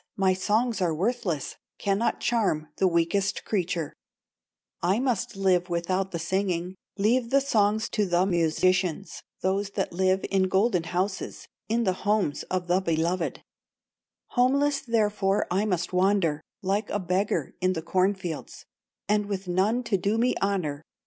my songs are worthless, Cannot charm the weakest creature; I must live without the singing, Leave the songs to the musicians, Those that live in golden houses, In the homes of the beloved; Homeless therefore I must wander, Like a beggar in the corn fields, And with none to do me honor.